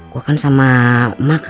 gue kan sama mak